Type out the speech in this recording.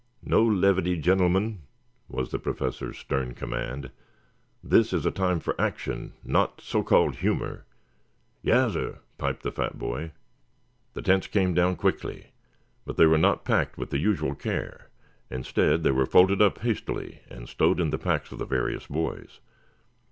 "No levity, gentlemen," was the Professor's stern command. "This is a time for action, not so called humor." "Yassir," piped the fat boy. The tents came down quickly, but they were not packed with the usual care. Instead they were folded up hastily and stowed in the packs of the various boys.